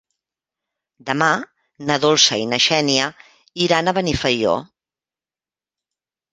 Demà na Dolça i na Xènia iran a Benifaió.